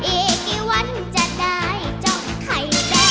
อีกกี่วันจะได้จ้องไข่แดงไข่เย็น